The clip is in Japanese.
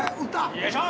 よいしょ！